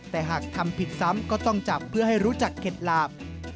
แต่หากทำผิดซ้ำก็ต้องจับเพื่อให้รู้จักเข็ดหลาบ